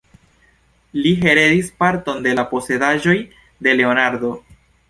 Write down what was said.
Li heredis parton de la posedaĵoj de Leonardo.